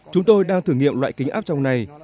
chúng tôi đang thử nghiệm loại kính áp trong này